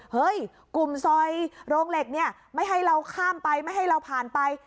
เฮ้ยกลุ่มซอยโรงเหล็กเนี่ยไม่ให้เราข้ามไปไม่ให้เราผ่านไป